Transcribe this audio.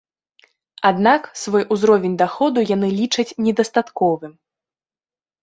Аднак свой узровень даходу яны лічаць недастатковым.